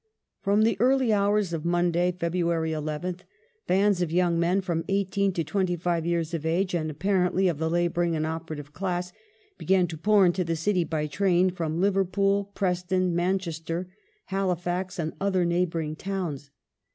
From the early houi s of Monday, February 11th, bands of young men, from eighteen to twenty five years of age and "apparently of the labouring and operative class," ^ began to pour into the city by train from Liverpool, Preston, Manchester, Halifax, and other neighbouring towns.